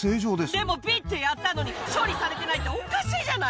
でも、ぴってやったのに、処理されてないって、おかしいじゃない！